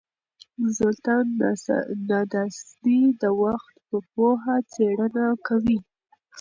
زولتان ناداسدي د وخت په پوهه څېړنه کوي.